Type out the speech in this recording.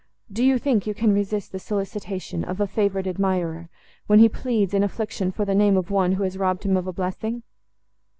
Do you think you can resist the solicitation of a favoured admirer, when he pleads, in affliction, for the name of one, who has robbed him of a blessing?"